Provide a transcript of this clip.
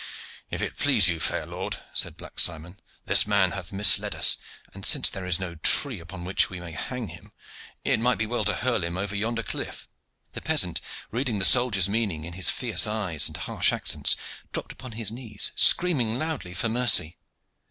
"If it please you, fair lord," said Black Simon, "this man hath misled us, and since there is no tree upon which we may hang him, it might be well to hurl him over yonder cliff." The peasant, reading the soldier's meaning in his fierce eyes and harsh accents dropped upon his knees, screaming loudly for mercy.